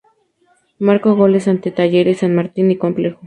Marcó goles ante Talleres, San Martín y Complejo.